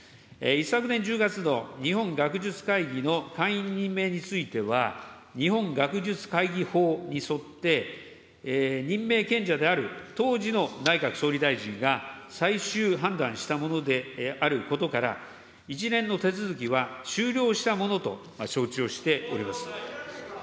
一昨年１０月の日本学術会議の会員任命については、日本学術会議法に沿って、任命権者である当時の内閣総理大臣が、最終判断したものであることから、一連の手続きは終了したものと承知をしております。